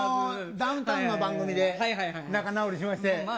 ダウンタウンの番組で仲直りしまして。